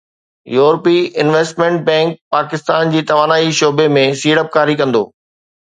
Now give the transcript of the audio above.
يورپي investment bank Pakistan جي توانائي شعبي ۾ سيڙپڪاري ڪندو